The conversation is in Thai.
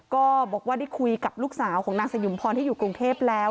ก็บอกว่าได้คุยกับลูกสาวของนางสยุมพรที่อยู่กรุงเทพแล้ว